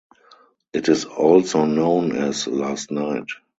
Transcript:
It is also known as "Last Night".